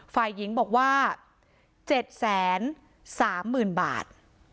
ฝ่ายหญิงบอกว่า๗๓๐๐๐บาท